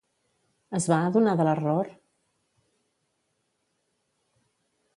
Es va adonar de l'error?